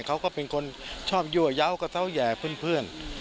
เขาก็เป็นคนชอบยั่วกับเท้าแหย่เพื่อน